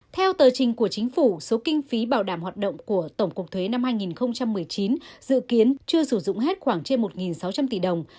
theo tờ trình của chính phủ số kinh phí bảo đảm hoạt động của tổng cục thuế năm hai nghìn một mươi chín dự kiến chưa sử dụng hết khoảng trên một sáu trăm linh tỷ đồng